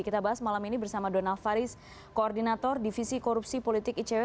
kita bahas malam ini bersama donald faris koordinator divisi korupsi politik icw